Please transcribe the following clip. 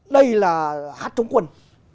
đây là hát trống quân